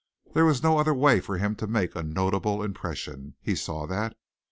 There was no other way for him to make a notable impression he saw that.